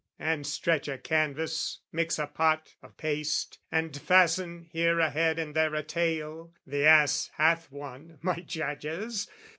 And stretch a canvas, mix a pot of paste, And fasten here a head and there a tail, (The ass hath one, my Judges!)